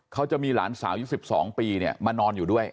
เขาจะมีหลานสาวยุค๑๒ปีมานอนอยู่ด้วย